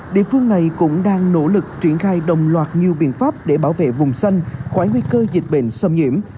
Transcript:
địa phương này cũng đang nỗ lực triển khai đồng loạt nhiều biện pháp để bảo vệ vùng xanh khỏi nguy cơ dịch bệnh xâm nhiễm